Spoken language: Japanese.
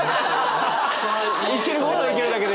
一緒にごはん行けるだけで。